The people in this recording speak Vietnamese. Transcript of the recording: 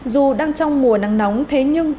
dù đang trong mùa nắng nóng thế nhưng